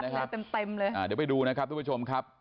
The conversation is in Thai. เดี๋ยวไปดูนะครับทุกผู้ชมครับ